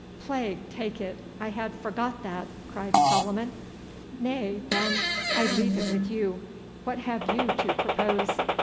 'Plague take it, I had forgot that,' cried Solomon. 'Nay, then, I leave it with you. What have you to propose?